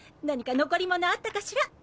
何か残り物あったかしら？